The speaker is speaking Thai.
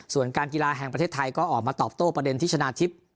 ส่วนการกีฬาแห่งประเทศไทยก็ออกมาตอบโต้ประเด็นที่ชนะทิพย์